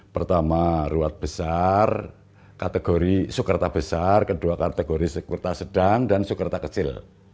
pertama ruat besar kategori soekerta besar kedua kategori soekerta sedang dan soekerta kecil